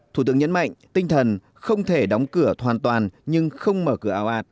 thủ tướng nhấn mạnh tinh thần không thể đóng cửa hoàn toàn nhưng không mở cửa ảo ạt